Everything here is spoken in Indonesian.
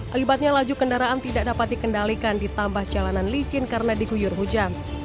akibatnya laju kendaraan tidak dapat dikendalikan ditambah jalanan licin karena diguyur hujan